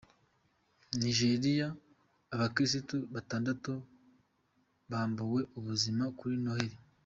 Nigeriya Abakirisitu batandatu bambuwe ubuzima kuri Noheli